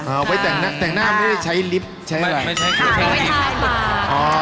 เอาไว้แต่งหน้าไม่ได้ใช้ลิฟท์ใช้อะไรไม่ใช้ลิฟท์ไม่ใช้ลิฟท์